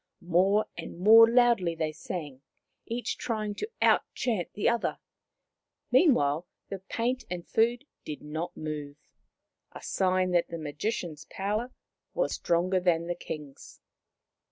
More and more loudly they sang, each trying to out chant the other. Meanwhile, the paint and food did not move, a sign that the Magician's power was stronger than the King's.